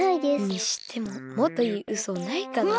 にしてももっといいうそないかな？